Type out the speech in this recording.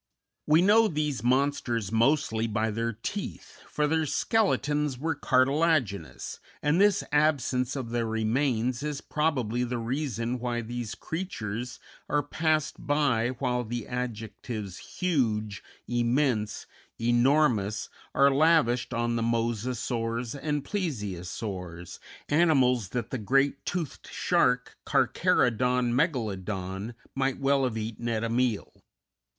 We know these monsters mostly by their teeth, for their skeletons were cartilaginous, and this absence of their remains is probably the reason why these creatures are passed by while the adjectives huge, immense, enormous are lavished on the Mosasaurs and Plesiosaurs animals that the great toothed shark, Carcharodon megalodon, might well have eaten at a meal.